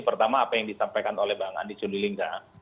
pertama apa yang disampaikan oleh bang andi sundilingga